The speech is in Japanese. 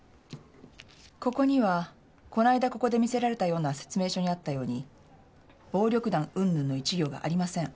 ここにはこの間ここで見せられたような説明書にあったように暴力団云々の１行がありません。